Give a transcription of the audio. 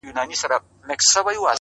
دښایستونو خدایه اور ته به مي سم نیسې ـ